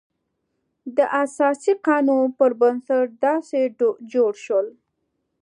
د اساسي قانون پر بنسټ داسې جوړ شول.